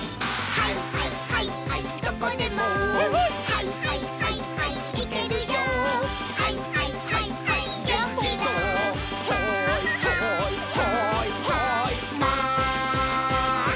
「はいはいはいはいマン」